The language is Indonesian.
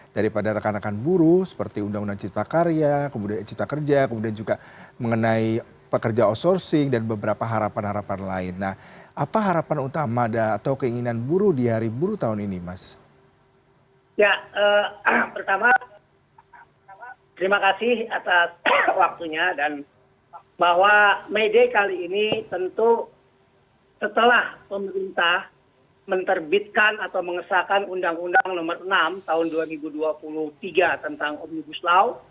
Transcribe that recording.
ya pertama terima kasih atas waktunya dan bahwa mei day kali ini tentu setelah pemerintah menerbitkan atau mengesahkan undang undang nomor enam tahun dua ribu dua puluh tiga tentang omnibus law